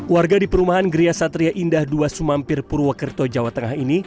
warga di perumahan gria satria indah dua sumampir purwokerto jawa tengah ini